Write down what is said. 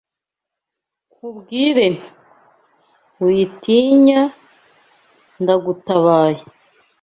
nkubwire nti: Witinya, ndagutabaye